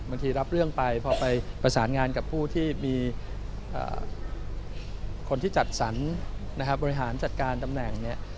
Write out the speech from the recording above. รับเรื่องไปพอไปประสานงานกับผู้ที่มีคนที่จัดสรรนะครับบริหารจัดการตำแหน่งเนี่ย